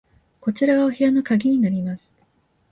こちらがお部屋の鍵になります。